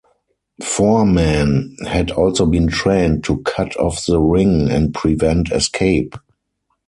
Foreman had also been trained to cut off the ring and prevent escape.